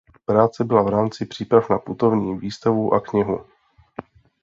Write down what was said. Práce byla v rámci příprav na putovní výstavu a knihu.